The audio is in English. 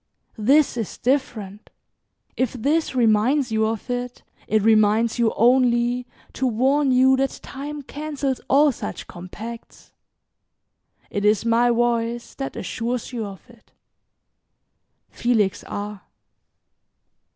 This is different. If this reminds you of it, it reminds you only to warn you that Time cancels all such compacts. It is my voice that assures you of it. "FELIX R."